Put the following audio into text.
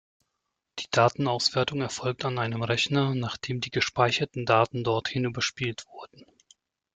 Die Datenauswertung erfolgt an einem Rechner, nachdem die gespeicherten Daten dorthin überspielt wurden.